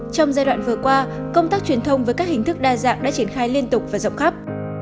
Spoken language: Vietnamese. trong giai đoạn vừa qua công tác truyền thông với các hình thức đa dạng đã triển khai liên tục và rộng khắp